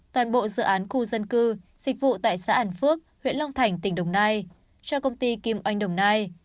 toàn bộ dự án khu dân cư dịch vụ tại xã an phước huyện long thành tỉnh đồng nai cho công ty kim oanh đồng nai